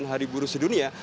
dan peringatan pembangunan